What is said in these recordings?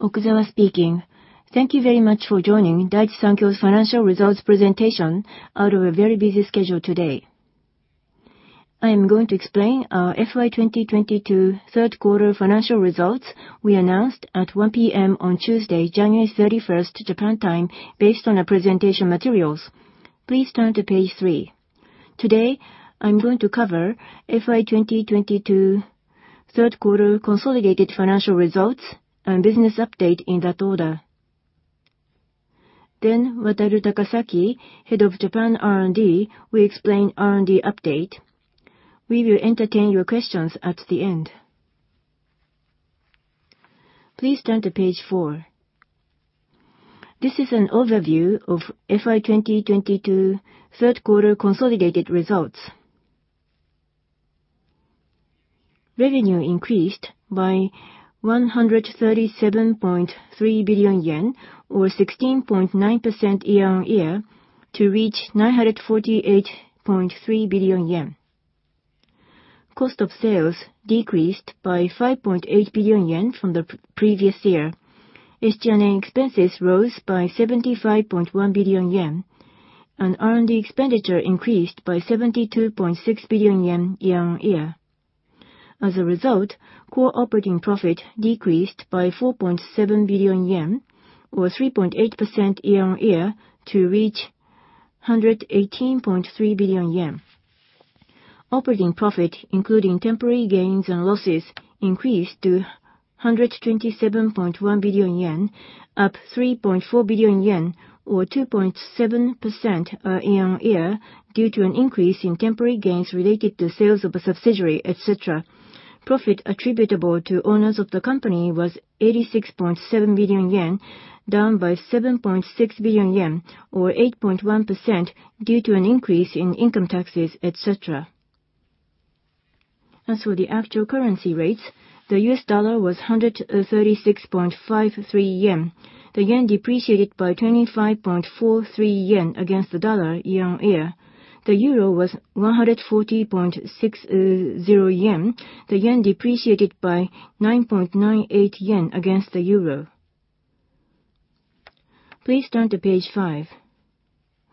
Okuzawa speaking. Thank you very much for joining Daiichi Sankyo's financial results presentation out of a very busy schedule today. I am going to explain our FY 2022 third quarter financial results we announced at 1:00 P.M. on Tuesday, January 31st, Japan time, based on our presentation materials. Please turn to page three. Today, I'm going to cover FY 2022 third quarter consolidated financial results and business update in that order. Wataru Takasaki, Head of Japan R&D, will explain R&D update. We will entertain your questions at the end. Please turn to page four. This is an overview of FY 2022 third quarter consolidated results. Revenue increased by 137.3 billion yen, or 16.9% year-over-year, to reach 948.3 billion yen. Cost of sales decreased by 5.8 billion yen from the previous year. SG&A expenses rose by 75.1 billion yen, and R&D expenditure increased by 72.6 billion yen year-over-year. As a result, core operating profit decreased by 4.7 billion yen, or 3.8% year-over-year, to reach 118.3 billion yen. Operating profit, including temporary gains and losses, increased to 127.1 billion yen, up 3.4 billion yen, or 2.7% year-over-year, due to an increase in temporary gains related to sales of a subsidiary, et cetera. Profit attributable to owners of the company was 86.7 billion yen, down by 7.6 billion yen, or 8.1%, due to an increase in income taxes, et cetera. As for the actual currency rates, the U.S. dollar was 136.53 yen. The yen depreciated by 25.43 yen against the dollar year-over-year. The euro was 140.60 yen. The yen depreciated by 9.98 yen against the euro. Please turn to page five.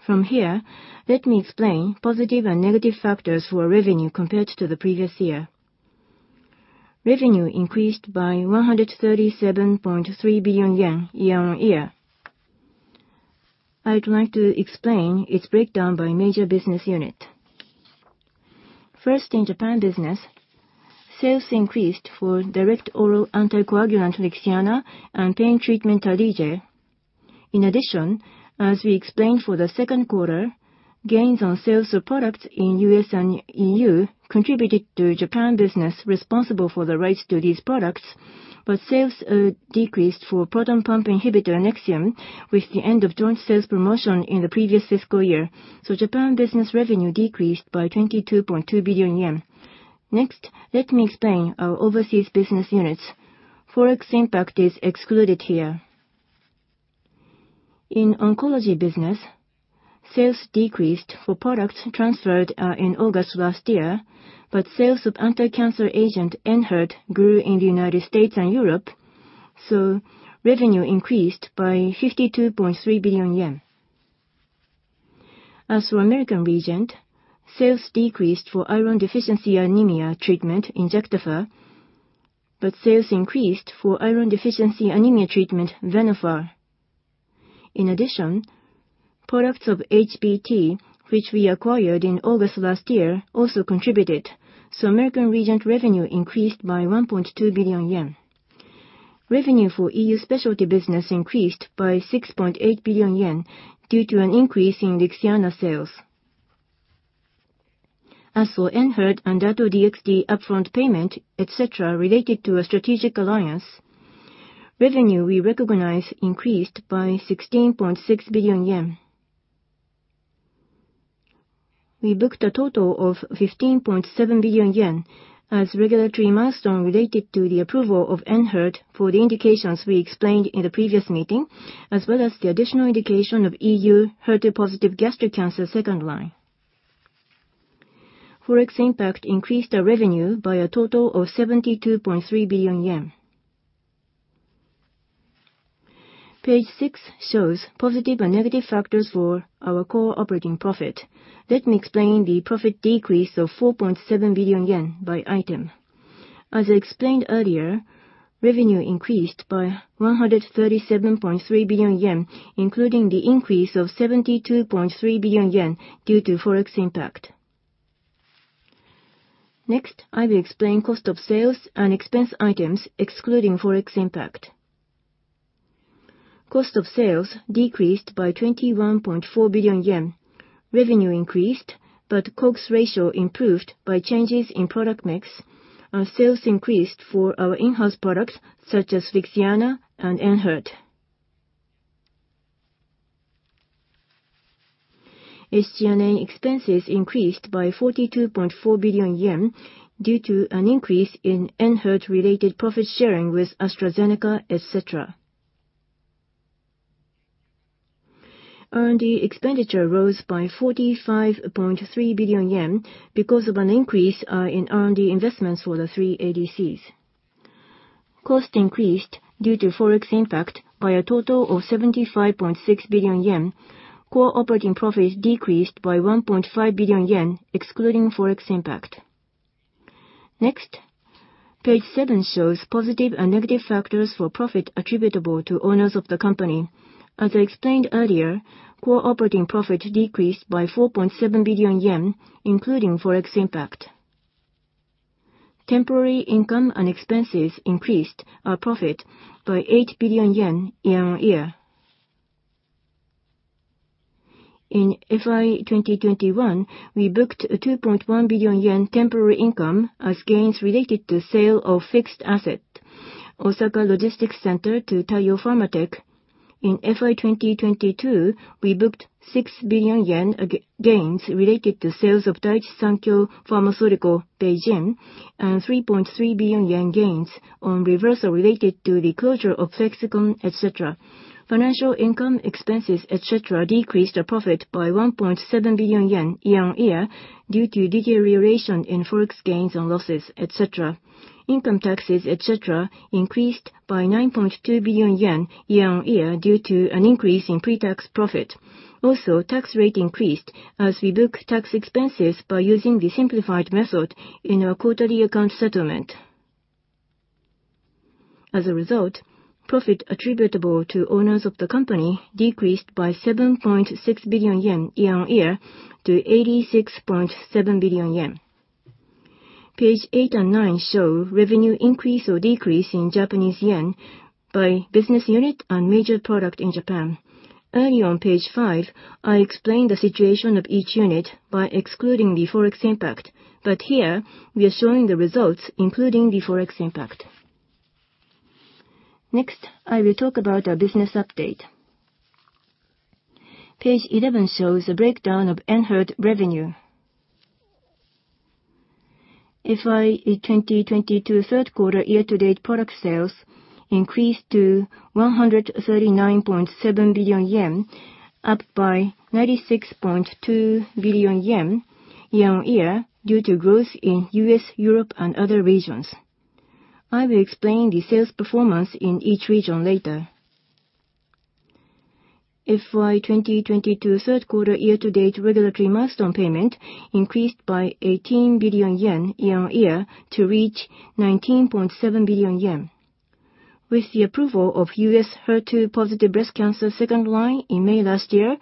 From here, let me explain positive and negative factors for revenue compared to the previous year. Revenue increased by 137.3 billion yen year-over-year. I would like to explain its breakdown by major business unit. First, in Japan business, sales increased for direct oral anticoagulant LIXIANA and pain treatment, Tarlige. In addition, as we explained for the second quarter, gains on sales of products in U.S. and E.U. contributed to Japan business responsible for the rights to these products. Sales decreased for proton pump inhibitor Nexium with the end of joint sales promotion in the previous fiscal year. Japan business revenue decreased by 22.2 billion yen. Next, let me explain our overseas business units. Forex impact is excluded here. In Oncology business, sales decreased for products transferred in August last year, but sales of anti-cancer agent ENHERTU grew in the United States and Europe, so revenue increased by 52.3 billion yen. As for American region, sales decreased for iron deficiency anemia treatment, Injectafer, but sales increased for iron deficiency anemia treatment, Venofer. In addition, products of HBT, which we acquired in August last year, also contributed. American region revenue increased by 1.2 billion yen. Revenue for E.U. specialty business increased by 6.8 billion yen due to an increase in LIXIANA sales. As for ENHERTU and Dato-DXd upfront payment, et cetera, related to a strategic alliance, revenue we recognize increased by 16.6 billion yen. We booked a total of 15.7 billion yen as regulatory milestone related to the approval of ENHERTU for the indications we explained in the previous meeting, as well as the additional indication of E.U. HER2-positive gastric cancer second line. Forex impact increased our revenue by a total of 72.3 billion yen. Page six shows positive and negative factors for our core operating profit. Let me explain the profit decrease of 4.7 billion yen by item. As I explained earlier, revenue increased by 137.3 billion yen, including the increase of 72.3 billion yen due to Forex impact. Next, I will explain cost of sales and expense items excluding Forex impact. Cost of sales decreased by 21.4 billion yen. Revenue increased, but COGS ratio improved by changes in product mix and sales increased for our in-house products such as LIXIANA and ENHERTU. SG&A expenses increased by 42.4 billion yen due to an increase in ENHERTU related profit sharing with AstraZeneca, et cetera. R&D expenditure rose by 45.3 billion yen because of an increase in R&D investments for the three ADCs. Cost increased due to Forex impact by a total of 75.6 billion yen. Core operating profits decreased by 1.5 billion yen, excluding Forex impact. Next, page seven shows positive and negative factors for profit attributable to owners of the company. As I explained earlier, core operating profit decreased by 4.7 billion yen, including Forex impact. Temporary income and expenses increased our profit by 8 billion yen year-on-year. In FY 2021, we booked a 2.1 billion yen temporary income as gains related to sale of fixed asset, Osaka Logistics Center, to Taiyo Pharmatech. In FY 2022, we booked 6 billion yen gains related to sales of Daiichi Sankyo Pharmaceutical Beijing and 3.3 billion yen gains on reversal related to the closure of Plexxikon, et cetera. Financial income expenses, et cetera, decreased our profit by 1.7 billion yen year-on-year due to deterioration in Forex gains and losses, et cetera. Income taxes, et cetera, increased by JPY 9.2 billion year-on-year due to an increase in pre-tax profit. Tax rate increased as we book tax expenses by using the simplified method in our quarterly account settlement. Profit attributable to owners of the company decreased by 7.6 billion yen year-on-year to 86.7 billion yen. Page eight and nine show revenue increase or decrease in Japanese yen by business unit and major product in Japan. Early on page five, I explained the situation of each unit by excluding the Forex impact, but here, we are showing the results, including the Forex impact. Next, I will talk about our business update. Page 11 shows a breakdown of ENHERTU revenue. FY 2022 third quarter year-to-date product sales increased to 139.7 billion yen, up by 96.2 billion yen year-on-year due to growth in U.S., Europe, and other regions. I will explain the sales performance in each region later. FY 2022 third quarter year-to-date regulatory milestone payment increased by 18 billion yen year-on-year to reach 19.7 billion yen. With the approval of U.S. HER2-positive breast cancer second line in May last year,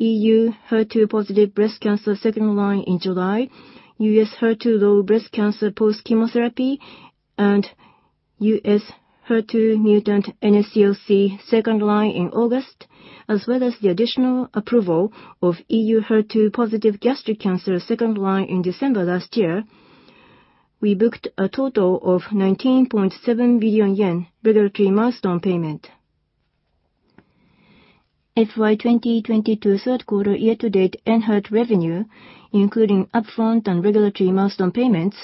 E.U. HER2-positive breast cancer second line in July, U.S. HER2-low breast cancer post-chemotherapy, and U.S. HER2-mutant NSCLC second line in August, as well as the additional approval of E.U. HER2-positive gastric cancer second line in December last year, we booked a total of 19.7 billion yen regulatory milestone payment. FY 2022 third quarter year-to-date ENHERTU revenue, including upfront and regulatory milestone payments,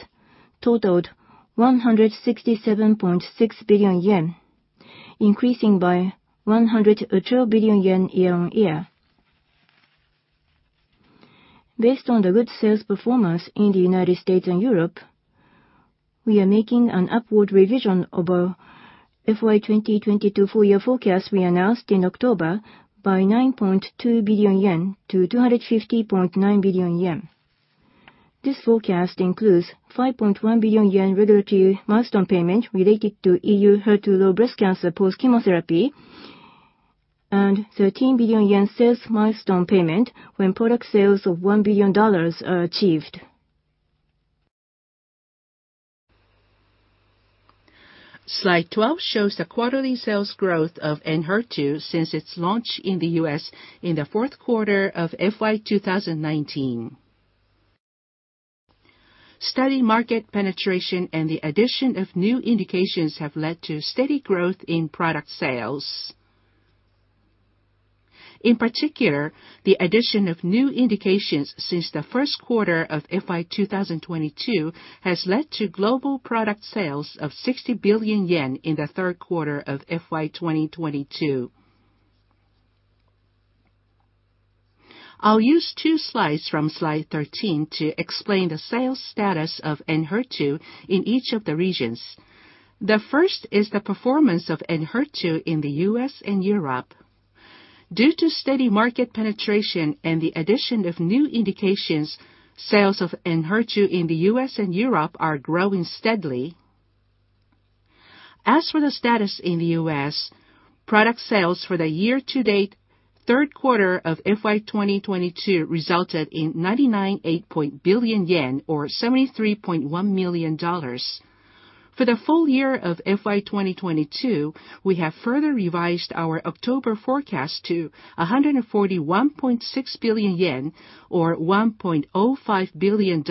totaled 167.6 billion yen, increasing by 112 billion yen year-on-year. Based on the good sales performance in the United States and Europe, we are making an upward revision of our FY 2022 full year forecast we announced in October by 9.2 billion yen to 250.9 billion yen. This forecast includes ¥5.1 billion regulatory milestone payment related to E.U. HER2-low breast cancer post-chemotherapy and 13 billion yen sales milestone payment when product sales of $1 billion are achieved. Slide 12 shows the quarterly sales growth of ENHERTU since its launch in the U.S. in the fourth quarter of FY 2019. Steady market penetration and the addition of new indications have led to steady growth in product sales. In particular, the addition of new indications since the first quarter of FY 2022 has led to global product sales of 60 billion yen in the third quarter of FY 2022. I'll use two slides from slide 13 to explain the sales status of ENHERTU in each of the regions. The first is the performance of ENHERTU in the U.S. and Europe. Due to steady market penetration and the addition of new indications, sales of ENHERTU in the U.S. and Europe are growing steadily. As for the status in the U.S., product sales for the year-to-date third quarter of FY 2022 resulted in 99.8 billion yen or $73.1 million. For the full year of FY 2022, we have further revised our October forecast to 141.6 billion yen or $1.05 billion,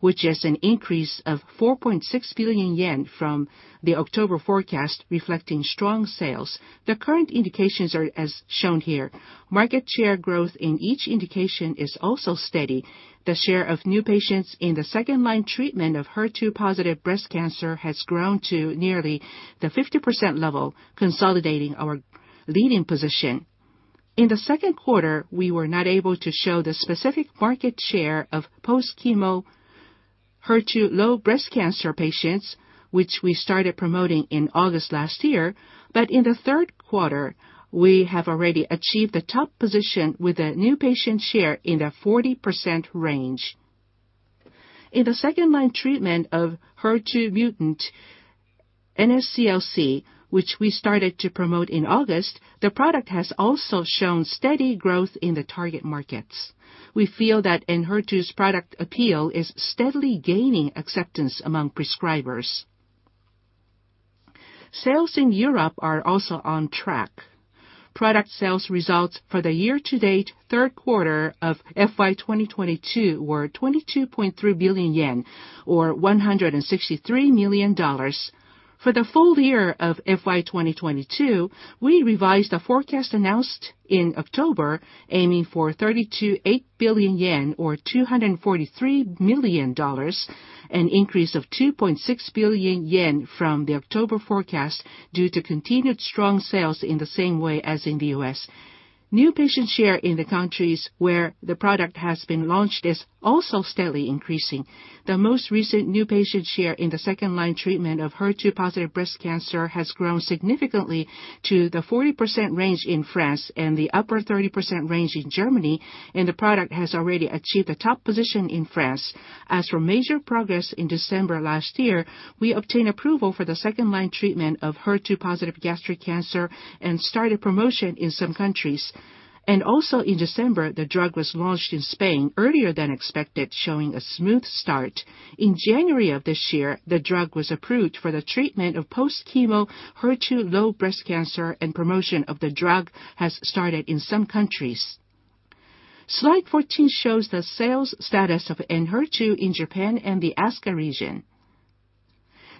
which is an increase of 4.6 billion yen from the October forecast, reflecting strong sales. The current indications are as shown here. Market share growth in each indication is also steady. The share of new patients in the second line treatment of HER2-positive breast cancer has grown to nearly the 50% level, consolidating our leading position. In the second quarter, we were not able to show the specific market share of post-chemo HER2-low breast cancer patients, which we started promoting in August last year. In the third quarter, we have already achieved the top position with a new patient share in the 40% range. In the second-line treatment of HER2 mutant NSCLC, which we started to promote in August, the product has also shown steady growth in the target markets. We feel that ENHERTU's product appeal is steadily gaining acceptance among prescribers. Sales in Europe are also on track. Product sales results for the year-to-date third quarter of FY 2022 were 22.3 billion yen, or $163 million. For the full year of FY 2022, we revised the forecast announced in October aiming for 32.8 billion yen, or $243 million, an increase of 2.6 billion yen from the October forecast due to continued strong sales in the same way as in the U.S. New patient share in the countries where the product has been launched is also steadily increasing. The most recent new patient share in the second-line treatment of HER2-positive breast cancer has grown significantly to the 40% range in France and the upper 30% range in Germany. The product has already achieved a top position in France. In December last year, we obtained approval for the second-line treatment of HER2-positive gastric cancer and started promotion in some countries. In December, the drug was launched in Spain earlier than expected, showing a smooth start. In January of this year, the drug was approved for the treatment of post-chemo HER2-low breast cancer. Promotion of the drug has started in some countries. Slide 14 shows the sales status of ENHERTU in Japan and the ASCA region.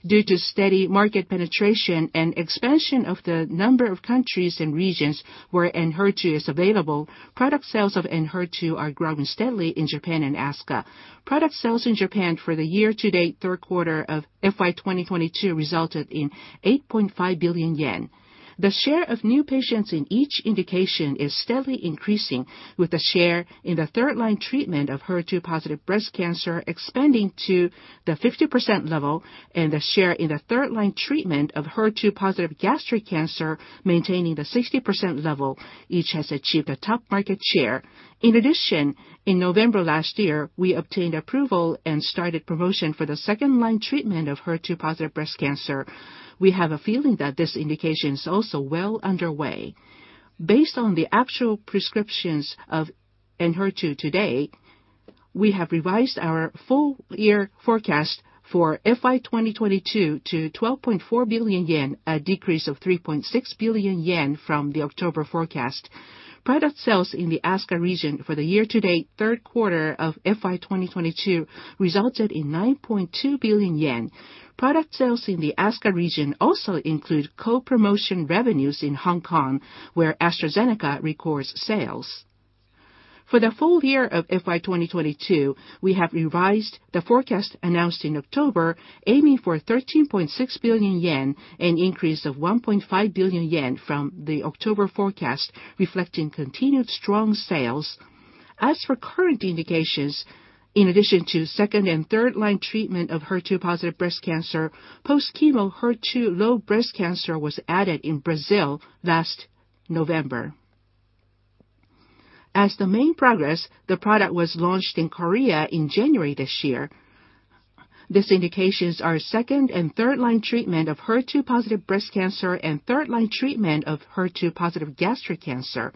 Due to steady market penetration and expansion of the number of countries and regions where ENHERTU is available, product sales of ENHERTU are growing steadily in Japan and ASCA. Product sales in Japan for the year-to-date third quarter of FY 2022 resulted in 8.5 billion yen. The share of new patients in each indication is steadily increasing, with the share in the third-line treatment of HER2-positive breast cancer expanding to the 50% level and the share in the third-line treatment of HER2-positive gastric cancer maintaining the 60% level. Each has achieved a top market share. In November last year, we obtained approval and started promotion for the second-line treatment of HER2-positive breast cancer. We have a feeling that this indication is also well underway. Based on the actual prescriptions of ENHERTU to date, we have revised our full year forecast for FY 2022 to 12.4 billion yen, a decrease of 3.6 billion yen from the October forecast. Product sales in the ASCA region for the year-to-date third quarter of FY 2022 resulted in 9.2 billion yen. Product sales in the ASCA region also include co-promotion revenues in Hong Kong, where AstraZeneca records sales. For the full year of FY 2022, we have revised the forecast announced in October aiming for 13.6 billion yen, an increase of 1.5 billion yen from the October forecast, reflecting continued strong sales. As for current indications, in addition to second and third-line treatment of HER2-positive breast cancer, post-chemo HER2-low breast cancer was added in Brazil last November. As the main progress, the product was launched in Korea in January this year. These indications are second and third-line treatment of HER2-positive breast cancer and third-line treatment of HER2-positive gastric cancer.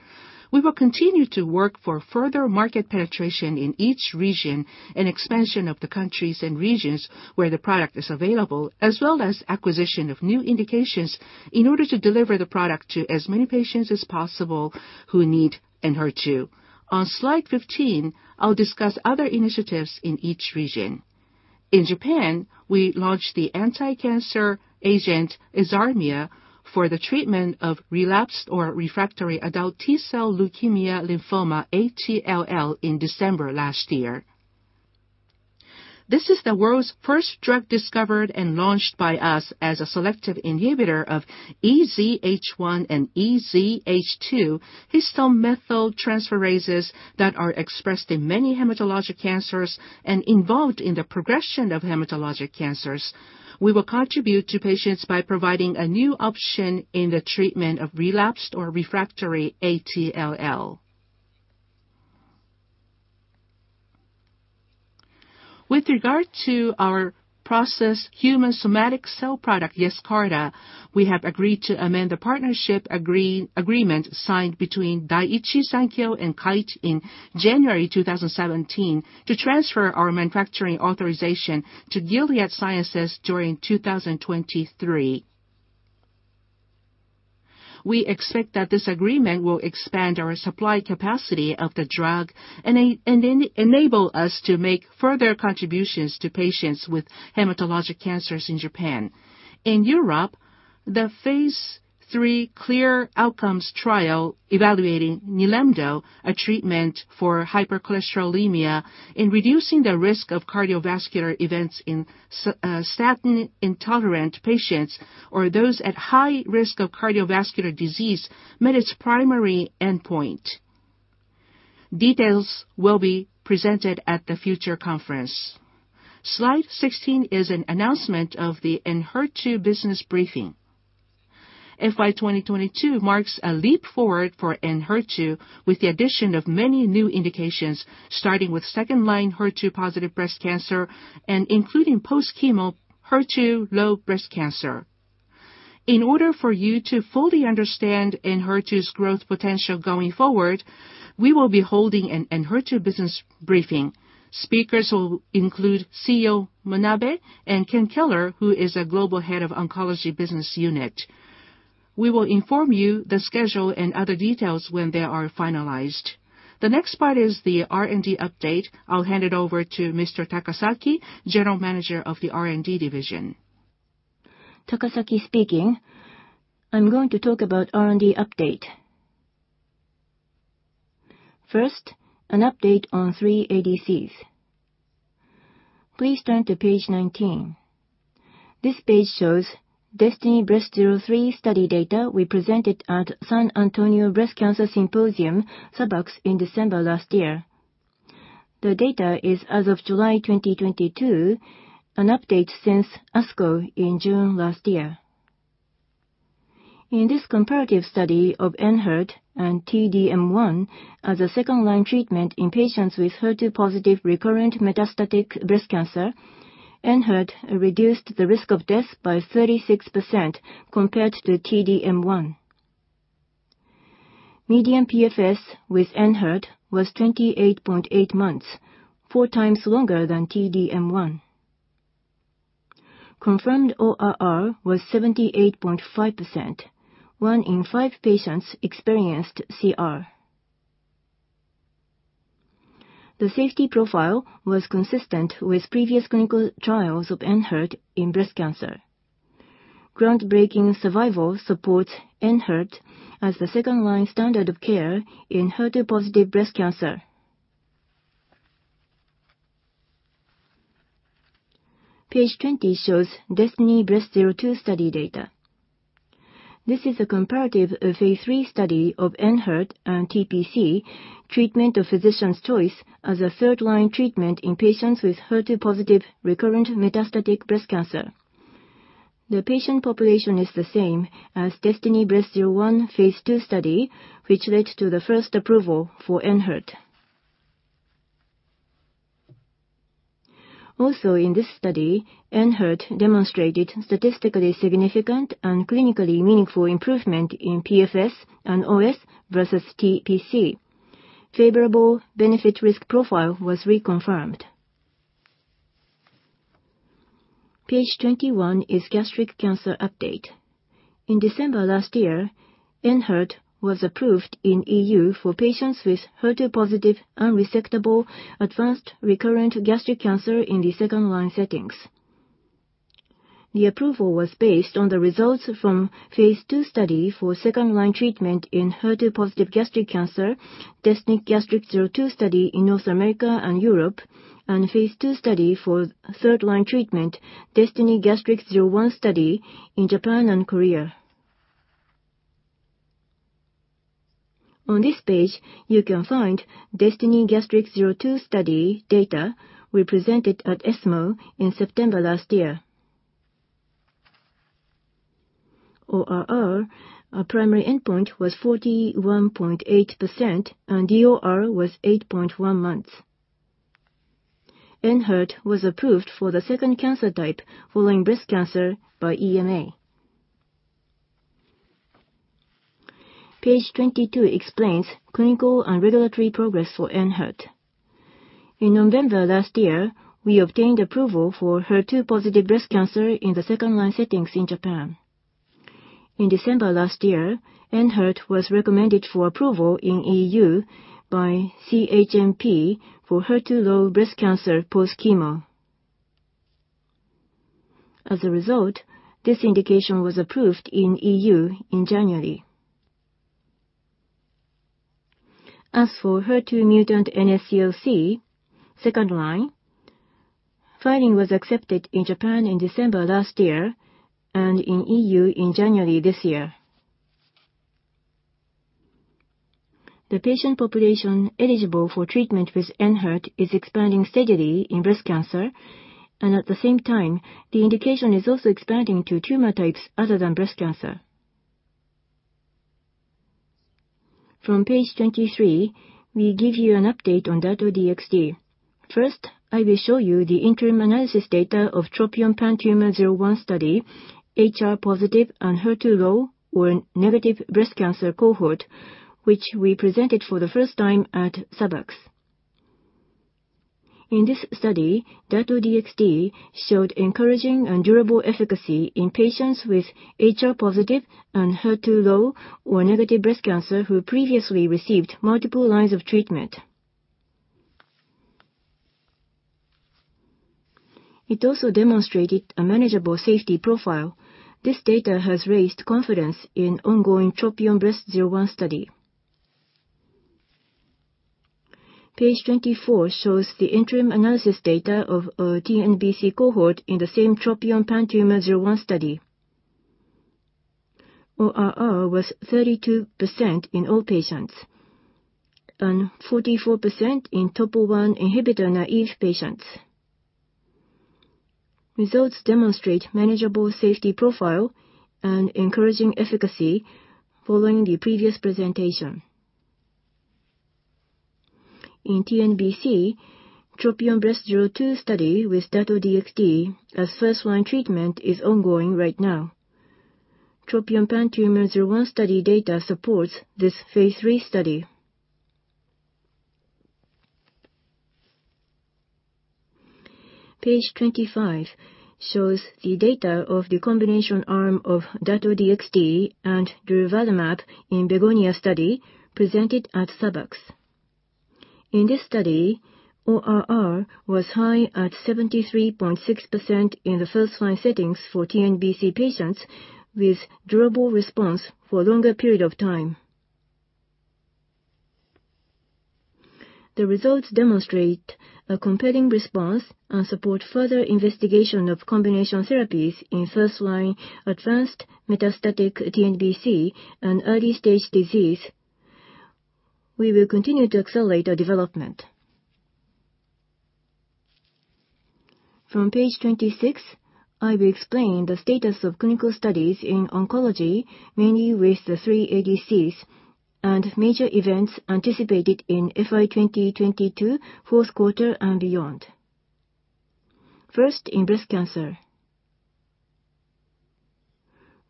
We will continue to work for further market penetration in each region and expansion of the countries and regions where the product is available, as well as acquisition of new indications in order to deliver the product to as many patients as possible who need ENHERTU. On slide 15, I'll discuss other initiatives in each region. In Japan, we launched the anticancer agent EZHARMIA for the treatment of relapsed or refractory adult T-cell leukemia/lymphoma ATLL in December last year. This is the world's first drug discovered and launched by us as a selective inhibitor of EZH1 and EZH2 histone methyltransferases that are expressed in many hematologic cancers and involved in the progression of hematologic cancers. We will contribute to patients by providing a new option in the treatment of relapsed or refractory ATLL. With regard to our processed human somatic cell product YESCARTA, we have agreed to amend the partnership agreement signed between Daiichi Sankyo and Kite in January 2017 to transfer our manufacturing authorization to Gilead Sciences during 2023. We expect that this agreement will expand our supply capacity of the drug and enable us to make further contributions to patients with hematologic cancers in Japan. In Europe, the phase III CLEAR Outcomes trial evaluating Nilemdo, a treatment for hypercholesterolemia in reducing the risk of cardiovascular events in statin-intolerant patients or those at high risk of cardiovascular disease, met its primary endpoint. Details will be presented at the future conference. Slide 16 is an announcement of the ENHERTU business briefing. FY2022 marks a leap forward for ENHERTU with the addition of many new indications, starting with second-line HER2-positive breast cancer and including post-chemo HER2-low breast cancer. In order for you to fully understand ENHERTU's growth potential going forward, we will be holding an ENHERTU business briefing. Speakers will include CEO Manabe and Ken Keller, who is a Global Head of Oncology Business Unit. We will inform you the schedule and other details when they are finalized. The next part is the R&D update. I'll hand it over to Mr. Takasaki, General Manager of the R&D Division. Takasaki speaking. I'm going to talk about R&D update. First, an update on three ADCs. Please turn to page 19. This page shows DESTINY-Breast03 study data we presented at San Antonio Breast Cancer Symposium, SABCS, in December last year. The data is as of July 2022, an update since ASCO in June last year. In this comparative study of ENHERTU and T-DM1 as a second-line treatment in patients with HER2-positive recurrent metastatic breast cancer, ENHERTU reduced the risk of death by 36% compared to T-DM1. Median PFS with ENHERTU was 28.8 months, four times longer than T-DM1. Confirmed ORR was 78.5%. one in five patients experienced CR. The safety profile was consistent with previous clinical trials of ENHERTU in breast cancer. Groundbreaking survival supports ENHERTU as the second-line standard of care in HER2-positive breast cancer. Page 20 shows DESTINY-Breast02 study data. This is a comparative phase III study of ENHERTU and TPC, treatment of physician's choice, as a third-line treatment in patients with HER2-positive recurrent metastatic breast cancer. The patient population is the same as DESTINY-Breast01 phase two study, which led to the first approval for ENHERTU. Also in this study, ENHERTU demonstrated statistically significant and clinically meaningful improvement in PFS and OS versus TPC. Favorable benefit risk profile was reconfirmed. Page 21 is gastric cancer update. In December last year, ENHERTU was approved in E.U. For patients with HER2-positive unresectable advanced recurrent gastric cancer in the second-line settings. The approval was based on the results from phase II study for second-line treatment in HER2-positive gastric cancer, DESTINY-Gastric02 study in North America and Europe, and phase two study for third-line treatment, DESTINY-Gastric01 study in Japan and Korea. On this page, you can find DESTINY-Gastric02 study data we presented at ESMO in September last year. ORR, our primary endpoint was 41.8%, and DOR was 8.1 months. ENHERTU was approved for the second cancer type following breast cancer by EMA. Page 22 explains clinical and regulatory progress for ENHERTU. In November last year, we obtained approval for HER2-positive breast cancer in the second-line settings in Japan. In December last year, ENHERTU was recommended for approval in E.U. by CHMP for HER2-low breast cancer post-chemo. As a result, this indication was approved in E.U. In January. As for HER2-mutant NSCLC, second line, filing was accepted in Japan in December last year and in E.U. in January this year. The patient population eligible for treatment with ENHERTU is expanding steadily in breast cancer, and at the same time, the indication is also expanding to tumor types other than breast cancer. From page 23, we give you an update on Dato-DXd. First, I will show you the interim analysis data of TROPION-PanTumor01 study, HR-positive and HER2-low or negative breast cancer cohort, which we presented for the first time at SABCS. In this study, Dato-DXd showed encouraging and durable efficacy in patients with HR-positive and HER2-low or negative breast cancer who previously received multiple lines of treatment. It also demonstrated a manageable safety profile. This data has raised confidence in ongoing TROPION-Breast01 study. Page 24 shows the interim analysis data of a TNBC cohort in the same TROPION-PanTumor01 study. ORR was 32% in all patients and 44% in topo I inhibitor-naive patients. Results demonstrate manageable safety profile and encouraging efficacy following the previous presentation. In TNBC, TROPION-Breast02 study with Dato-DXd as first-line treatment is ongoing right now. TROPION-PanTumor01 study data supports this phase III study. Page 25 shows the data of the combination arm of Dato-DXd and durvalumab in BEGONIA study presented at SABCS. In this study, ORR was high at 73.6% in the first-line settings for TNBC patients with durable response for a longer period of time. The results demonstrate a compelling response and support further investigation of combination therapies in first-line advanced metastatic TNBC and early-stage disease. We will continue to accelerate our development. From page 26, I will explain the status of clinical studies in oncology, mainly with the three ADCs and major events anticipated in FY 2022 fourth quarter and beyond. First, in breast cancer.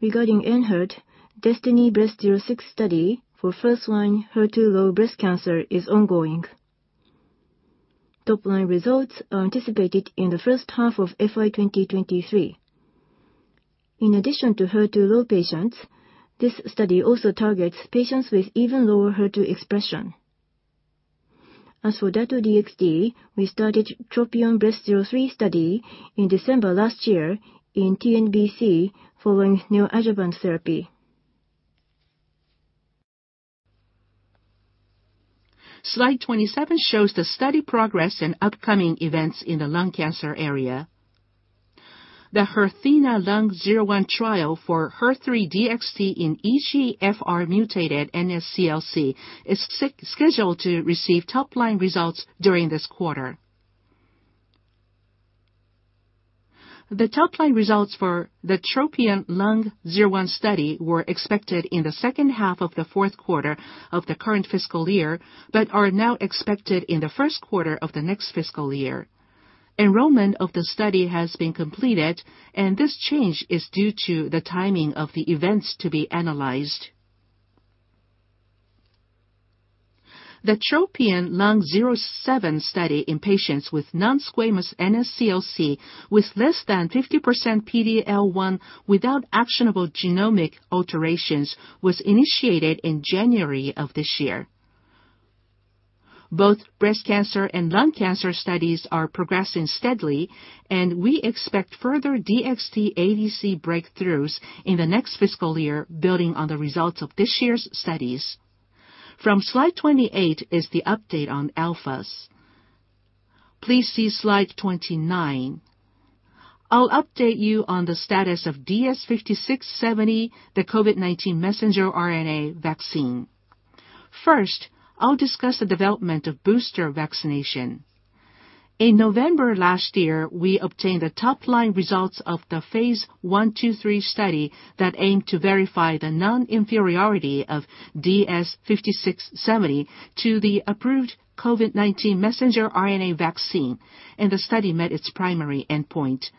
Regarding ENHERTU, DESTINY-Breast06 study for first-line HER2-low breast cancer is ongoing. Top-line results are anticipated in the first half of FY2023. In addition to HER2-low patients, this study also targets patients with even lower HER2 expression. As for Dato-DXd, we started TROPION-Breast03 study in December last year in TNBC following neoadjuvant therapy. Slide 27 shows the study progress and upcoming events in the lung cancer area. The HERTHENA-Lung01 trial for HER3-DXd in EGFR-mutated NSCLC is scheduled to receive top-line results during this quarter. The top-line results for the TROPION-Lung01 study were expected in the second half of the fourth quarter of the current fiscal year, but are now expected in the first quarter of the next fiscal year. Enrollment of the study has been completed, and this change is due to the timing of the events to be analyzed. The TROPION-Lung07 study in patients with non-squamous NSCLC with less than 50% PDL1 without actionable genomic alterations was initiated in January of this year. Both breast cancer and lung cancer studies are progressing steadily, and we expect further DXd ADC breakthroughs in the next fiscal year building on the results of this year's studies. From slide 28 is the update on alphas. Please see slide 29. I'll update you on the status of DS-5670, the COVID-19 messenger RNA vaccine. First, I'll discuss the development of booster vaccination. In November last year, we obtained the top-line results of the Phase I, II, III study that aimed to verify the non-inferiority of DS-5670 to the approved COVID-19 messenger RNA vaccine, and the study met its primary endpoint.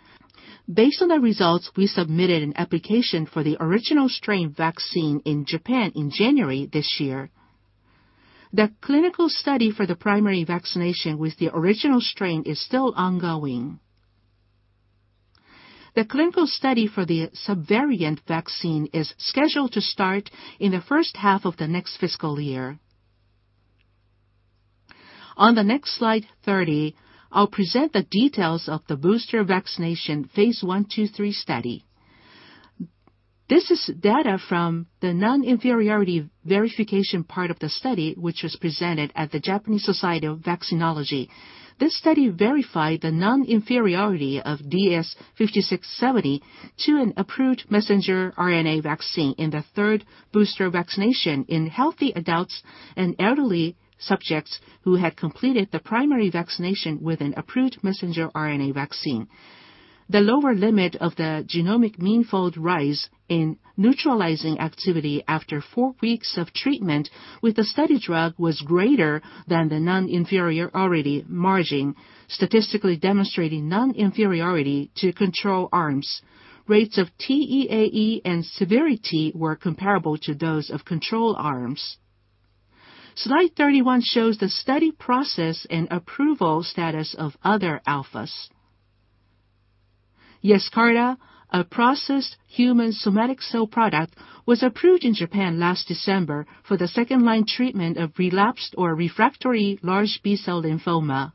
Based on the results, we submitted an application for the original strain vaccine in Japan in January this year. The clinical study for the primary vaccination with the original strain is still ongoing. The clinical study for the subvariant vaccine is scheduled to start in the first half of the next fiscal year. On the next slide, 30, I'll present the details of the booster vaccination Phase I, II, III study. This is data from the non-inferiority verification part of the study, which was presented at the Japanese Society of Vaccinology. This study verified the non-inferiority of DS-5670 to an approved messenger RNA vaccine in the third booster vaccination in healthy adults and elderly subjects who had completed the primary vaccination with an approved messenger RNA vaccine. The lower limit of the geometric mean fold rise in neutralizing activity after four weeks of treatment with the study drug was greater than the non-inferiority margin, statistically demonstrating non-inferiority to control arms. Rates of TEAE and severity were comparable to those of control arms. Slide 31 shows the study process and approval status of other alphas. YESCARTA, a processed human somatic cell product, was approved in Japan last December for the second-line treatment of relapsed or refractory large B-cell lymphoma.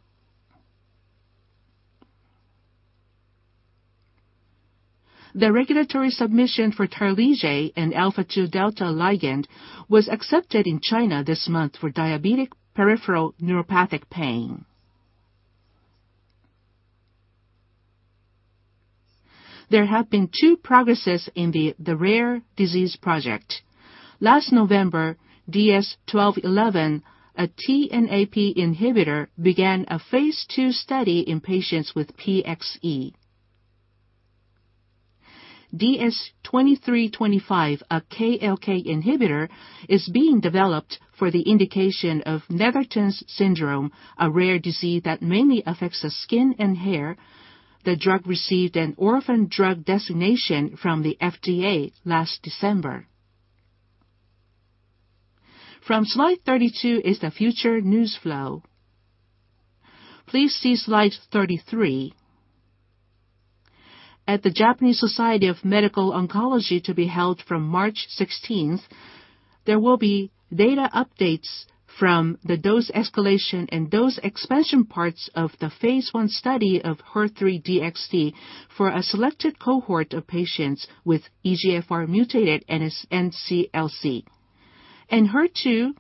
The regulatory submission for Tarlige, an alpha-2 delta ligand, was accepted in China this month for diabetic peripheral neuropathic pain. There have been two progresses in the rare disease project. Last November, DS-1211, a TNAP inhibitor, began a phase II study in patients with PXE. DS-2325, a KLK inhibitor, is being developed for the indication of Netherton syndrome, a rare disease that mainly affects the skin and hair. The drug received an orphan drug designation from the FDA last December. From slide 32 is the future news flow. Please see slide 33. At the Japanese Society of Medical Oncology to be held from March 16th, there will be data updates from the dose escalation and dose expansion parts of the phase I study of HER3-DXd for a selected cohort of patients with EGFR mutated NSCLC. ENHERTU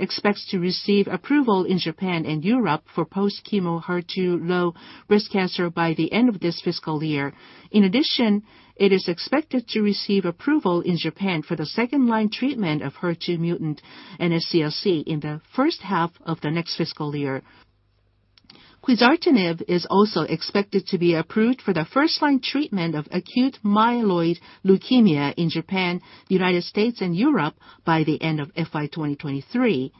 expects to receive approval in Japan and Europe for post-chemo HER2 low risk cancer by the end of this fiscal year. It is expected to receive approval in Japan for the second-line treatment of HER2 mutant NSCLC in the first half of the next fiscal year. Quizartinib is also expected to be approved for the first-line treatment of acute myeloid leukemia in Japan, United States, and Europe by the end of FY 2023.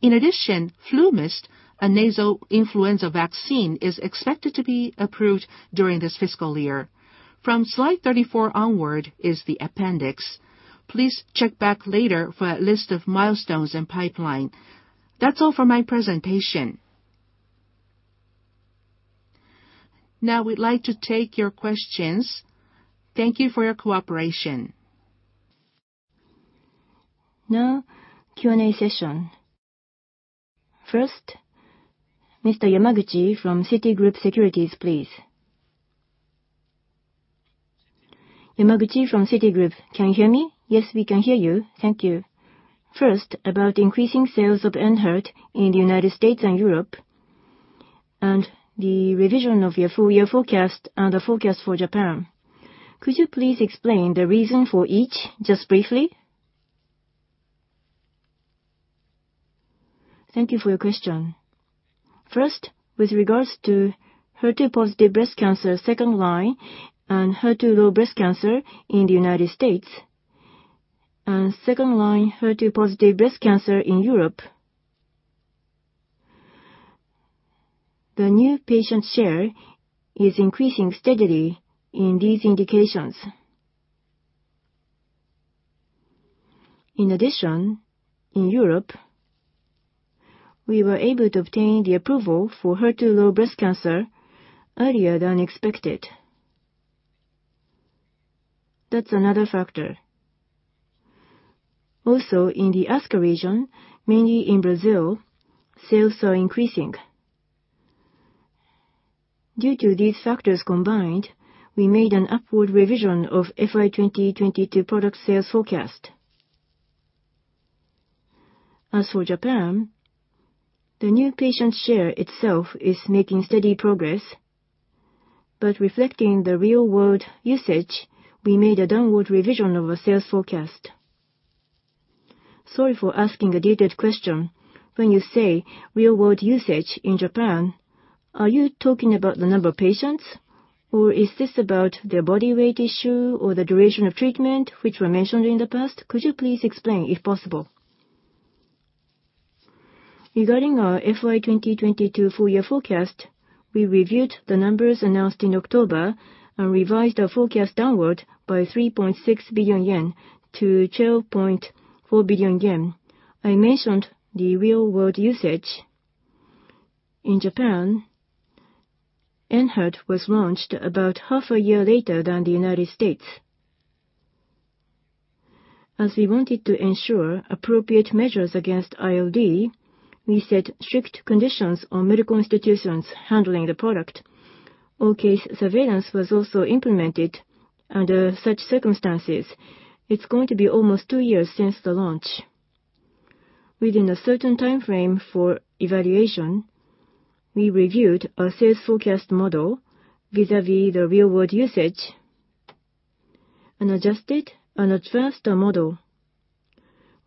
FluMist, a nasal influenza vaccine, is expected to be approved during this fiscal year. From slide 34 onward is the appendix. Please check back later for a list of milestones and pipeline. That's all for my presentation. We'd like to take your questions. Thank you for your cooperation. Now Q&A session. First, Mr. Yamaguchi from Citigroup Securities, please. Yamaguchi from Citigroup. Can you hear me? Yes, we can hear you. Thank you. About increasing sales of ENHERTU in the United States and Europe, and the revision of your full-year forecast and the forecast for Japan. Could you please explain the reason for each just briefly? Thank you for your question. With regards to HER2-positive breast cancer second line and HER2 low breast cancer in the United States and second line HER2-positive breast cancer in Europe, the new patient share is increasing steadily in these indications. In Europe, we were able to obtain the approval for HER2 low breast cancer earlier than expected. That's another factor. In the ASCA region, mainly in Brazil, sales are increasing. Due to these factors combined, we made an upward revision of FY 2022 product sales forecast. As for Japan, the new patient share itself is making steady progress, but reflecting the real world usage, we made a downward revision of our sales forecast. Sorry for asking a detailed question. When you say real world usage in Japan, are you talking about the number of patients, or is this about their body weight issue or the duration of treatment, which were mentioned in the past? Could you please explain if possible? Regarding our FY 2022 full year forecast, we reviewed the numbers announced in October and revised our forecast downward by 3.6 to 12.4 billion yen. I mentioned the real world usage. In Japan, ENHERTU was launched about half a year later than the United States. As we wanted to ensure appropriate measures against ILD, we set strict conditions on medical institutions handling the product. All case surveillance was also implemented under such circumstances. It's going to be almost two years since the launch. Within a certain time frame for evaluation, we reviewed our sales forecast model vis-à-vis the real world usage and adjusted and advanced our model.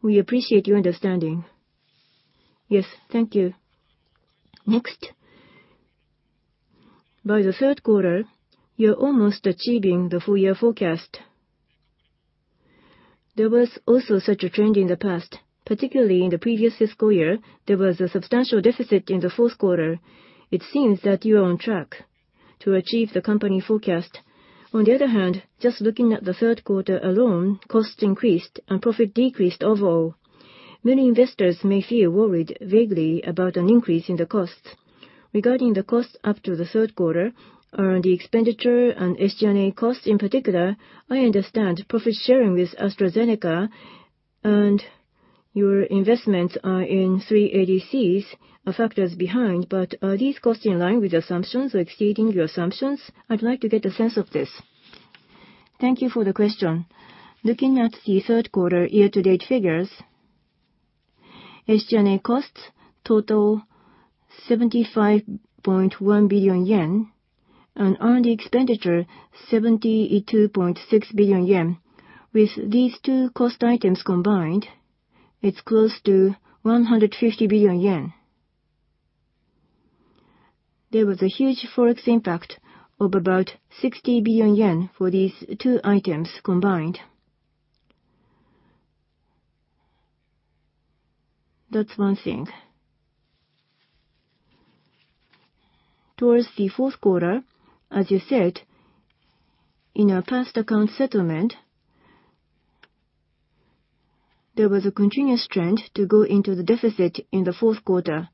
We appreciate your understanding. Yes. Thank you. Next. By the third quarter, you're almost achieving the full year forecast. There was also such a trend in the past, particularly in the previous fiscal year, there was a substantial deficit in the fourth quarter. It seems that you are on track to achieve the company forecast. On the other hand, just looking at the third quarter alone, costs increased and profit decreased overall. Many investors may feel worried vaguely about an increase in the costs. Regarding the costs up to the third quarter, R&D expenditure and SG&A costs in particular, I understand profit sharing with AstraZeneca and your investments are in three ADCs are factors behind. Are these costs in line with your assumptions or exceeding your assumptions? I'd like to get a sense of this. Thank you for the question. Looking at the third quarter year to date figures, SG&A costs total 75.1 billion yen, and R&D expenditure 72.6 billion yen. With these two cost items combined, it's close to 150 billion yen. There was a huge Forex impact of about 60 billion yen for these two items combined. That's one thing. Towards the fourth quarter, as you said, in our past account settlement, there was a continuous trend to go into the deficit in the fourth quarter.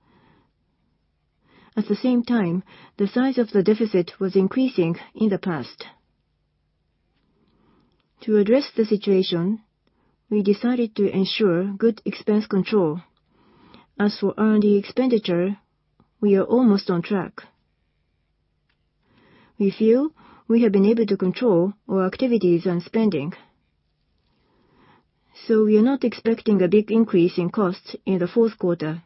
At the same time, the size of the deficit was increasing in the past. To address the situation, we decided to ensure good expense control. As for R&D expenditure, we are almost on track. We feel we have been able to control our activities and spending. We are not expecting a big increase in costs in the fourth quarter.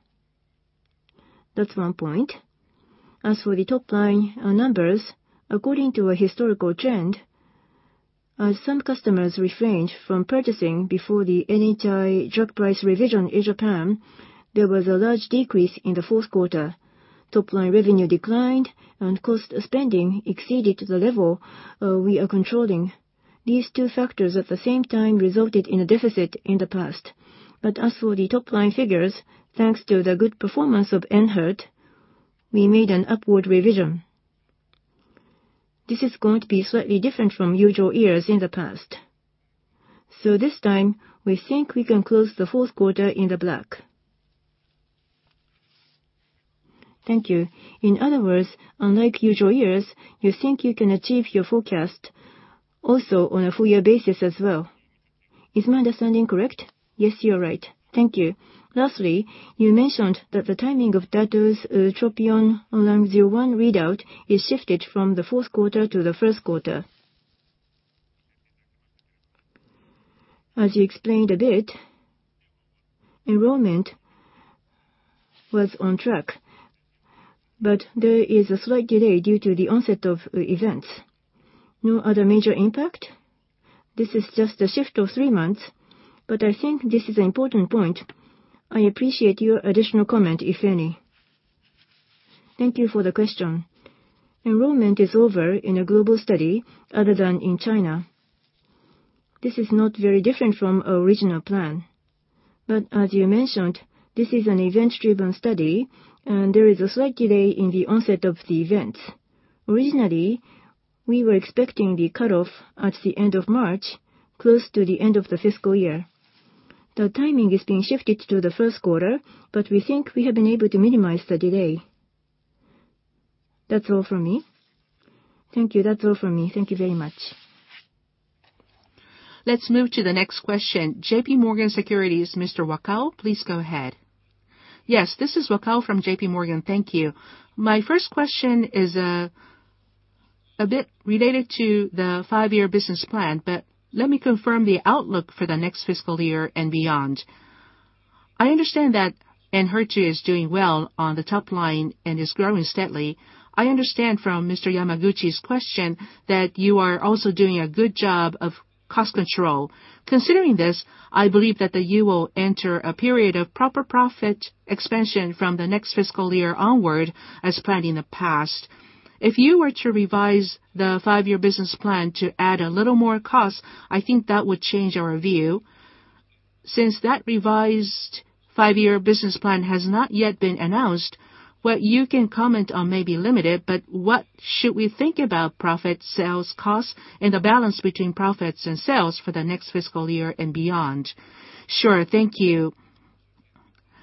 That's one point. As for the top line, our numbers, according to a historical trend, as some customers refrained from purchasing before the NHI drug price revision in Japan, there was a large decrease in the fourth quarter. Top line revenue declined and cost spending exceeded the level we are controlling. These two factors at the same time resulted in a deficit in the past. As for the top line figures, thanks to the good performance of ENHERTU, we made an upward revision. This is going to be slightly different from usual years in the past. This time, we think we can close the fourth quarter in the black. Thank you. In other words, unlike usual years, you think you can achieve your forecast also on a full year basis as well. Is my understanding correct? Yes, you are right. Thank you. Lastly, you mentioned that the timing of Dato's TROPION-Lung01 readout is shifted from the fourth quarter to the first quarter. As you explained a bit, enrollment was on track, but there is a slight delay due to the onset of events. No other major impact? This is just a shift of three months, but I think this is an important point. I appreciate your additional comment, if any. Thank you for the question. Enrollment is over in a global study other than in China. This is not very different from our original plan. As you mentioned, this is an event-driven study, and there is a slight delay in the onset of the events. Originally, we were expecting the cutoff at the end of March, close to the end of the fiscal year. The timing is being shifted to the first quarter, but we think we have been able to minimize the delay. That's all from me. Thank you. That's all from me. Thank you very much. Let's move to the next question. JPMorgan Securities, Mr. Wakao, please go ahead. Yes, this is Wakao from JPMorgan. Thank you. My first question is a bit related to the five-year business plan, but let me confirm the outlook for the next fiscal year and beyond. I understand that ENHERTU is doing well on the top line and is growing steadily. I understand from Mr. Yamaguchi's question that you are also doing a good job of cost control. Considering this, I believe that the E.U. will enter a period of proper profit expansion from the next fiscal year onward as planned in the past. If you were to revise the five-year business plan to add a little more cost, I think that would change our view. Since that revised five-year business plan has not yet been announced, what you can comment on may be limited, but what should we think about profit, sales, cost, and the balance between profits and sales for the next fiscal year and beyond? Sure. Thank you.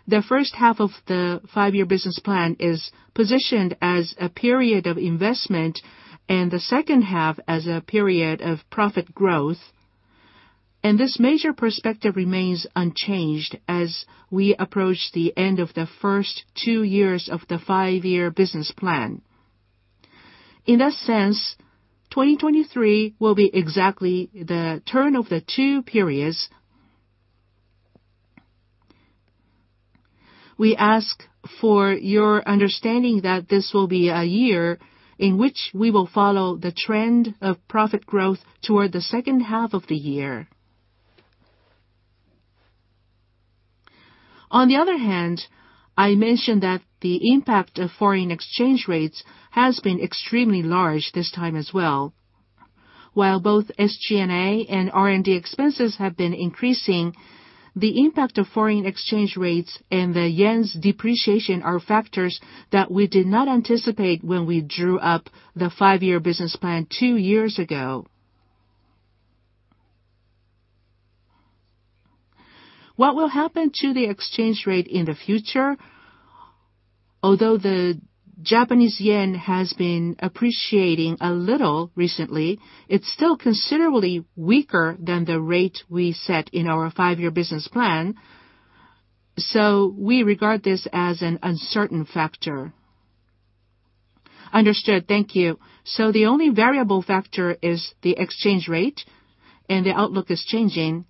The first half of the five-year business plan is positioned as a period of investment and the second half as a period of profit growth. This major perspective remains unchanged as we approach the end of the first two years of the five-year business plan. In that sense, 2023 will be exactly the turn of the two periods. We ask for your understanding that this will be a year in which we will follow the trend of profit growth toward the second half of the year. On the other hand, I mentioned that the impact of foreign exchange rates has been extremely large this time as well. While both SG&A and R&D expenses have been increasing, the impact of foreign exchange rates and the yen's depreciation are factors that we did not anticipate when we drew up the five-year business plan two years ago. What will happen to the exchange rate in the future? Although the Japanese yen has been appreciating a little recently, it's still considerably weaker than the rate we set in our five-year business plan. We regard this as an uncertain factor. Understood, thank you. The only variable factor is the exchange rate, and the outlook is changing.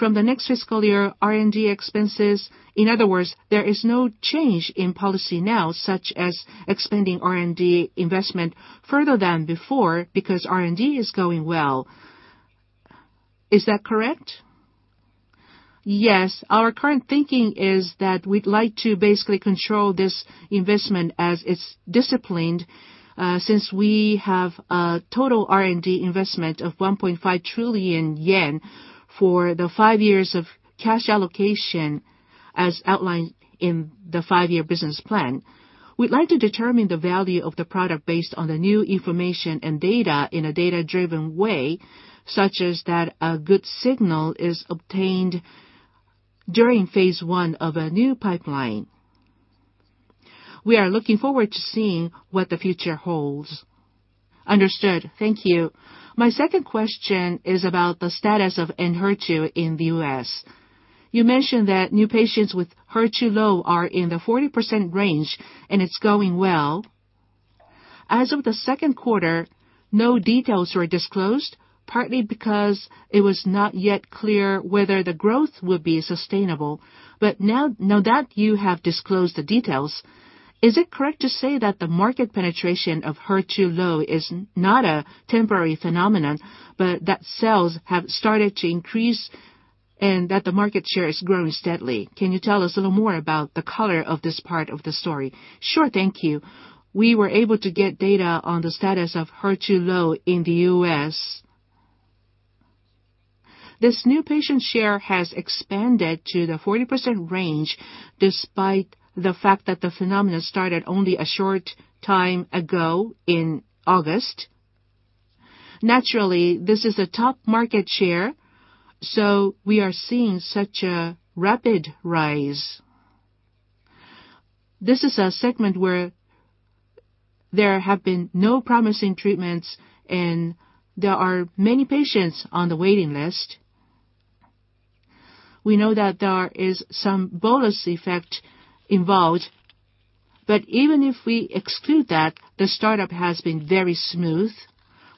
From the next fiscal year, R&D expenses. In other words, there is no change in policy now, such as expanding R&D investment further than before because R&D is going well. Is that correct? Yes. Our current thinking is that we'd like to basically control this investment as it's disciplined, since we have a total R&D investment of 1.5 trillion yen for the five years of cash allocation as outlined in the five-year business plan. We'd like to determine the value of the product based on the new information and data in a data-driven way, such as that a good signal is obtained during phase I of a new pipeline. We are looking forward to seeing what the future holds. Understood. Thank you. My second question is about the status of ENHERTU in the U.S.? You mentioned that new patients with HER2-low are in the 40% range and it's going well. As of the second quarter, no details were disclosed, partly because it was not yet clear whether the growth would be sustainable. Now that you have disclosed the details, is it correct to say that the market penetration of HER2-low is not a temporary phenomenon, but that sales have started to increase and that the market share is growing steadily? Can you tell us a little more about the color of this part of the story? Sure. Thank you. We were able to get data on the status of HER2-low in the U.S. This new patient share has expanded to the 40% range despite the fact that the phenomenon started only a short time ago in August. This is a top market share, so we are seeing such a rapid rise. This is a segment where there have been no promising treatments, and there are many patients on the waiting list. We know that there is some bolus effect involved, but even if we exclude that, the startup has been very smooth,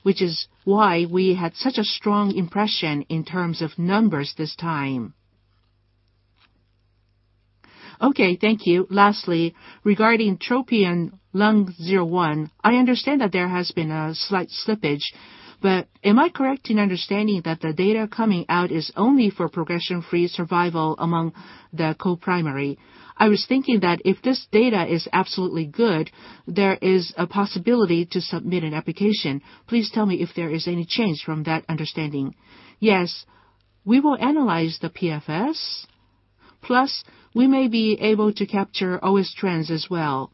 which is why we had such a strong impression in terms of numbers this time. Thank you. Regarding Tropion-Lung01, I understand that there has been a slight slippage, but am I correct in understanding that the data coming out is only for progression-free survival among the co-primary? I was thinking that if this data is absolutely good, there is a possibility to submit an application. Please tell me if there is any change from that understanding. Yes. We will analyze the PFS, plus we may be able to capture OS trends as well.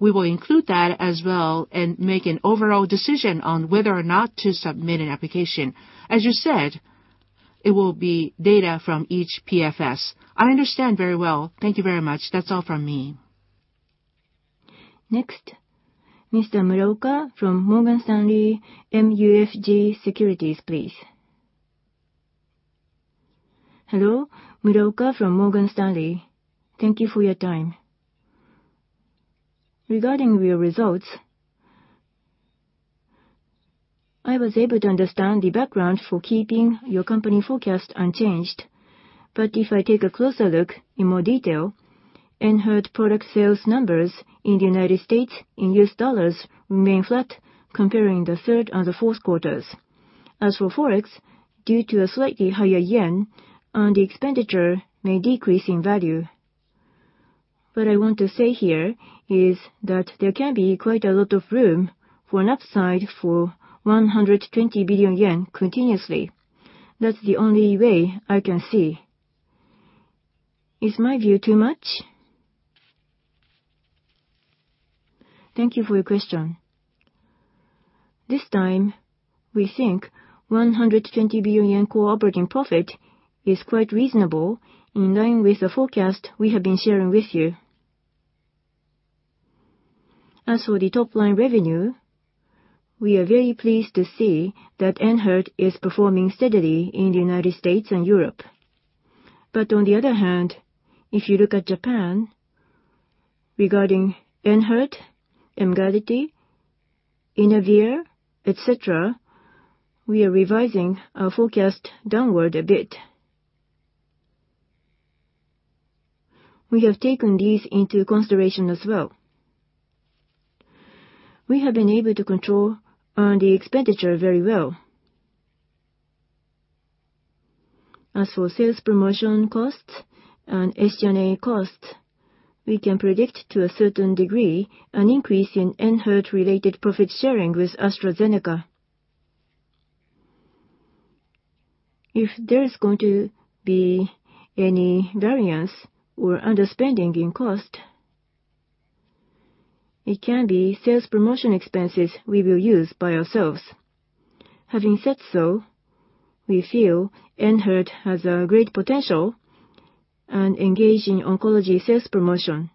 We will include that as well and make an overall decision on whether or not to submit an application. As you said, it will be data from each PFS. I understand very well. Thank you very much. That's all from me. Next, Mr. Muraoka from Morgan Stanley MUFG Securities, please. Hello. Muraoka from Morgan Stanley. Thank you for your time. Regarding your results, I was able to understand the background for keeping your company forecast unchanged. If I take a closer look in more detail, ENHERTU product sales numbers in the United States in U.S. dollars remain flat comparing the third and the fourth quarters. As for Forex, due to a slightly higher yen and the expenditure may decrease in value. What I want to say here is that there can be quite a lot of room for an upside for 120 billion yen continuously. That's the only way I can see. Is my view too much? Thank you for your question. This time, we think 120 billion yen cooperating profit is quite reasonable in line with the forecast we have been sharing with you. As for the top-line revenue, we are very pleased to see that ENHERTU is performing steadily in the United States and Europe. On the other hand, if you look at Japan, regarding ENHERTU, Emgality, Inavir, et cetera, we are revising our forecast downward a bit. We have taken these into consideration as well. We have been able to control earned expenditure very well. As for sales promotion costs and SG&A costs, we can predict to a certain degree an increase in ENHERTU -related profit sharing with AstraZeneca. If there is going to be any variance or underspending in cost, it can be sales promotion expenses we will use by ourselves. Having said so, we feel ENHERTU has a great potential and engage in oncology sales promotion.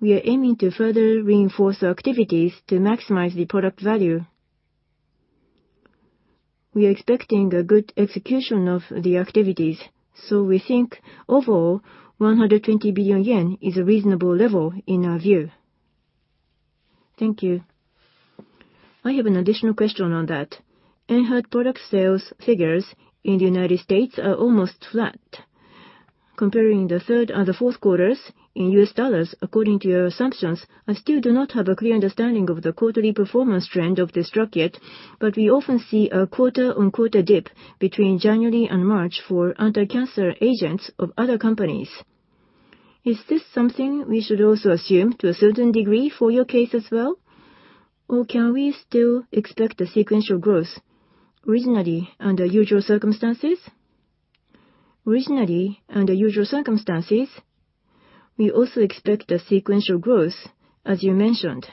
We are aiming to further reinforce our activities to maximize the product value. We are expecting a good execution of the activities, so we think overall 120 billion yen is a reasonable level in our view. Thank you. I have an additional question on that. ENHERTU product sales figures in the United States are almost flat. Comparing the third and the fourth quarters in U.S. dollars according to your assumptions, I still do not have a clear understanding of the quarterly performance trend of this drug yet. We often see a quarter-on-quarter dip between January and March for anticancer agents of other companies. Is this something we should also assume to a certain degree for your case as well, or can we still expect a sequential growth originally under usual circumstances? Originally under usual circumstances, we also expect a sequential growth, as you mentioned.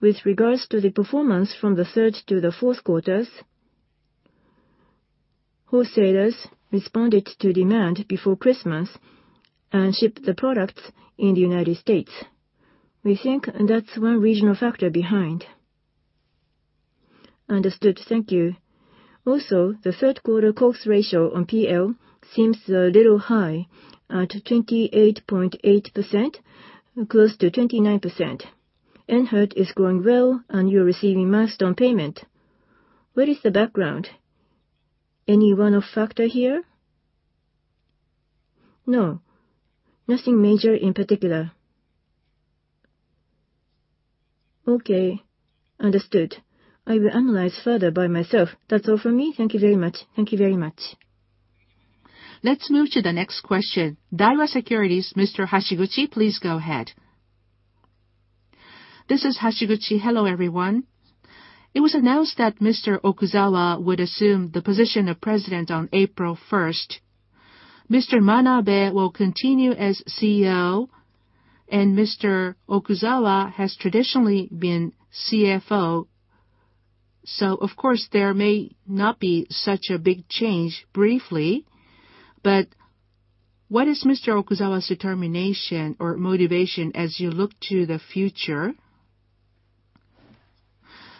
With regards to the performance from the third to the fourth quarters, wholesalers responded to demand before Christmas and shipped the products in the United States. We think that's one regional factor behind. Understood. Thank you. The third quarter cost ratio on PL seems a little high at 28.8%, close to 29%. ENHERTU is growing well and you're receiving milestone payment. What is the background? Any one-off factor here? No, nothing major in particular. Okay, understood. I will analyze further by myself. That's all for me. Thank you very much. Thank you very much. Let's move to the next question. Daiwa Securities, Mr. Hashiguchi, please go ahead. This is Hashiguchi. Hello, everyone. It was announced that Mr. Okuzawa would assume the position of President on April 1st. Mr. Manabe will continue as CEO, and Mr. Okuzawa has traditionally been CFO. Of course, there may not be such a big change briefly, but what is Mr. Okuzawa's determination or motivation as you look to the future?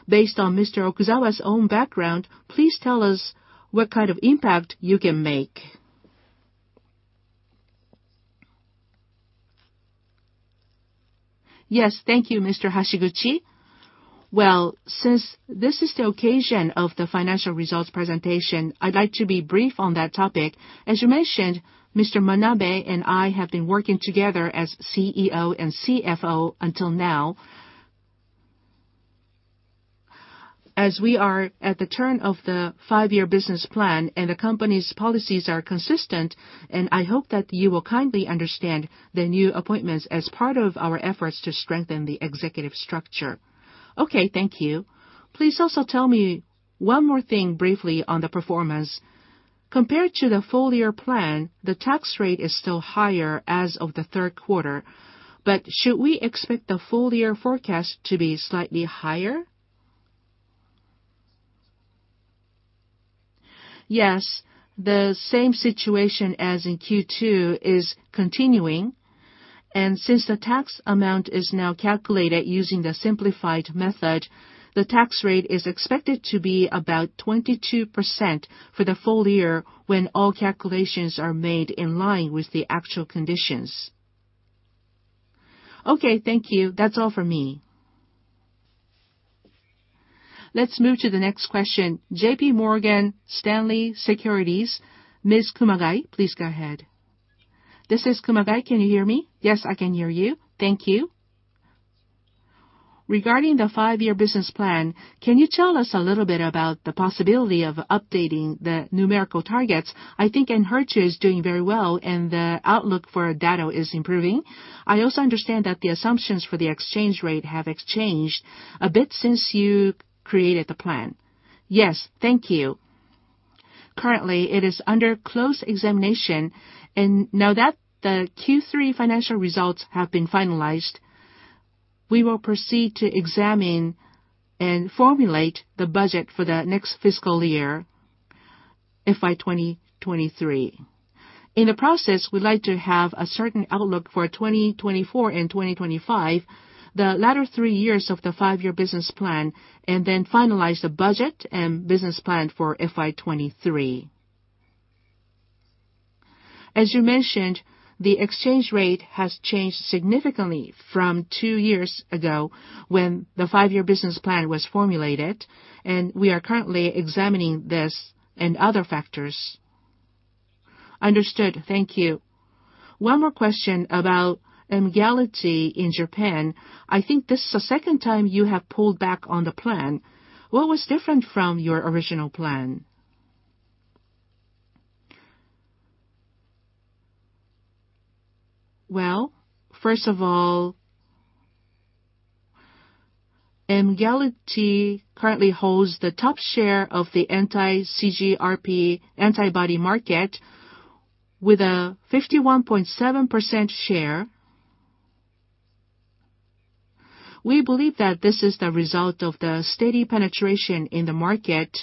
Based on Mr. Okuzawa's own background, please tell us what kind of impact you can make. Yes. Thank you, Mr. Hashiguchi. Well, since this is the occasion of the financial results presentation, I'd like to be brief on that topic. As you mentioned, Mr. Manabe and I have been working together as CEO and CFO until now. As we are at the turn of the five-year business plan and the company's policies are consistent, and I hope that you will kindly understand the new appointments as part of our efforts to strengthen the executive structure. Okay, thank you. Please also tell me one more thing briefly on the performance. Compared to the full year plan, the tax rate is still higher as of the third quarter. Should we expect the full year forecast to be slightly higher? Yes. The same situation as in Q2 is continuing, and since the tax amount is now calculated using the simplified method, the tax rate is expected to be about 22% for the full year when all calculations are made in line with the actual conditions. Okay, thank you. That's all for me. Let's move to the next question. JPMorgan Stanley Securities, Ms. Kumagai, please go ahead. This is Kumagai. Can you hear me? Yes, I can hear you. Thank you. Regarding the five-year business plan, can you tell us a little bit about the possibility of updating the numerical targets? I think ENHERTU is doing very well and the outlook for Dato is improving. I also understand that the assumptions for the exchange rate have exchanged a bit since you created the plan. Yes. Thank you. Currently, it is under close examination. Now that the Q3 financial results have been finalized, we will proceed to examine and formulate the budget for the next fiscal year, FY 2023. In the process, we'd like to have a certain outlook for 2024 and 2025, the latter three years of the five-year business plan, and then finalize the budget and business plan for FY 2023. As you mentioned, the exchange rate has changed significantly from two years ago when the five-year business plan was formulated, and we are currently examining this and other factors. Understood. Thank you. One more question about Emgality in Japan. I think this is the second time you have pulled back on the plan. What was different from your original plan? Well, first of all, Emgality currently holds the top share of the anti-CGRP antibody market with a 51.7% share. We believe that this is the result of the steady penetration in the market,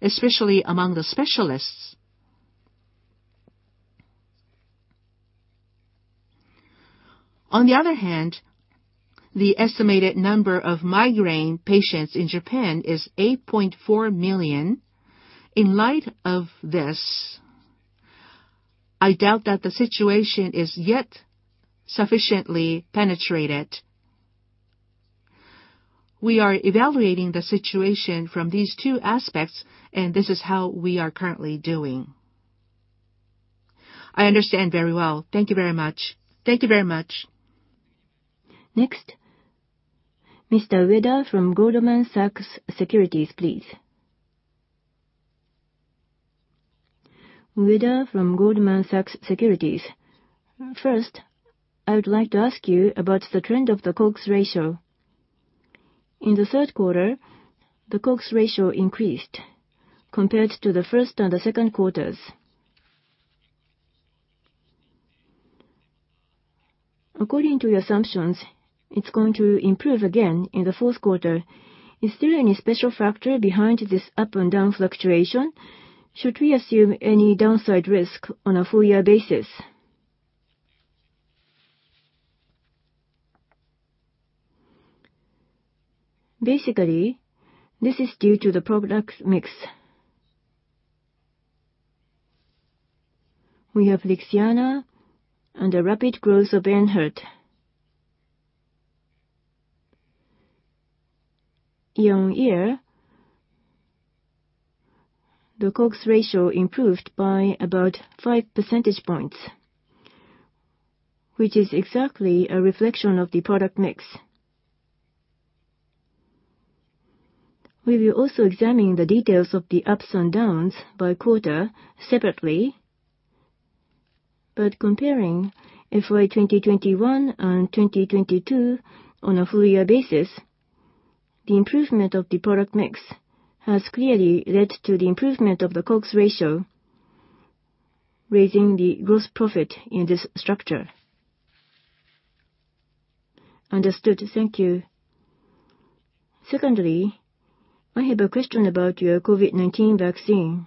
especially among the specialists. On the other hand, the estimated number of migraine patients in Japan is 8.4 million. In light of this, I doubt that the situation is yet sufficiently penetrated. We are evaluating the situation from these two aspects, this is how we are currently doing. I understand very well. Thank you very much. Thank you very much. Next, Mr. Ueda from Goldman Sachs Securities, please. Ueda from Goldman Sachs Securities. First, I would like to ask you about the trend of the COGS ratio. In the third quarter, the COGS ratio increased compared to the first and the second quarters. According to your assumptions, it's going to improve again in the fourth quarter. Is there any special factor behind this up and down fluctuation? Should we assume any downside risk on a full-year basis? Basically, this is due to the product mix. We have LIXIANA and the rapid growth of ENHERTU. Year-on-year, the COGS ratio improved by about 5 percentage points, which is exactly a reflection of the product mix. We will also examine the details of the ups and downs by quarter separately. Comparing FY 2021 and 2022 on a full-year basis, the improvement of the product mix has clearly led to the improvement of the COGS ratio, raising the gross profit in this structure. Understood. Thank you. Secondly, I have a question about your COVID-19 vaccine.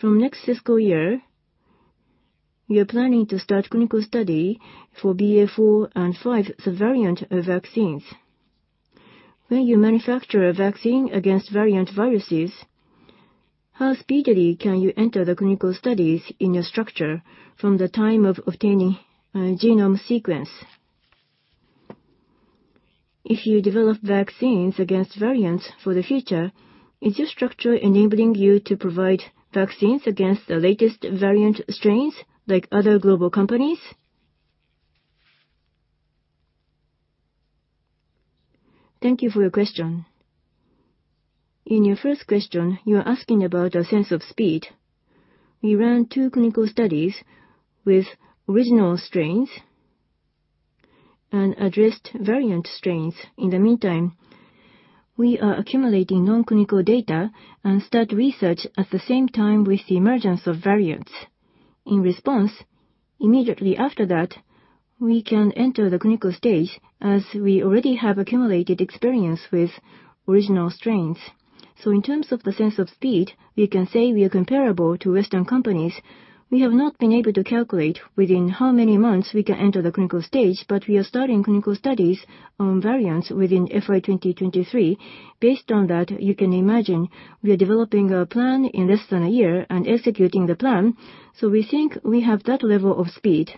From next fiscal year, you're planning to start clinical study for BA.4 and 5 variant of vaccines. When you manufacture a vaccine against variant viruses, how speedily can you enter the clinical studies in your structure from the time of obtaining genome sequence? If you develop vaccines against variants for the future, is your structure enabling you to provide vaccines against the latest variant strains like other global companies? Thank you for your question. In your first question, you are asking about a sense of speed. We ran two clinical studies with original strains and addressed variant strains. In the meantime, we are accumulating non-clinical data and start research at the same time with the emergence of variants. In response, immediately after that, we can enter the clinical stage as we already have accumulated experience with original strains. In terms of the sense of speed, we can say we are comparable to Western companies. We have not been able to calculate within how many months we can enter the clinical stage, but we are starting clinical studies on variants within FY 2023. Based on that, you can imagine we are developing a plan in less than a year and executing the plan. We think we have that level of speed.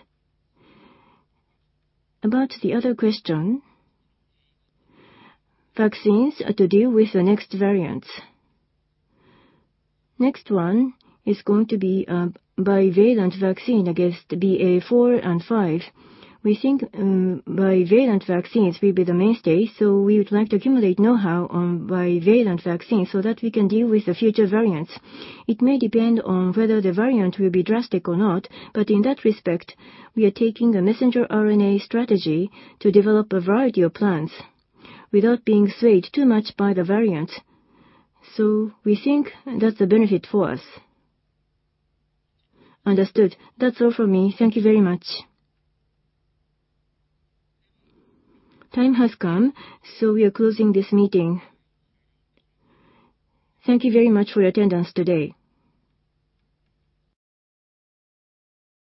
About the other question, vaccines are to deal with the next variants. Next one is going to be a bivalent vaccine against BA.4 and 5. We think bivalent vaccines will be the mainstay, so we would like to accumulate know-how on bivalent vaccines so that we can deal with the future variants. It may depend on whether the variant will be drastic or not, but in that respect, we are taking a messenger RNA strategy to develop a variety of plans without being swayed too much by the variant. We think that's a benefit for us. Understood. That's all from me. Thank you very much. Time has come, so we are closing this meeting. Thank you very much for your attendance today.